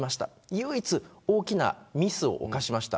唯一、大きなミスを犯しました。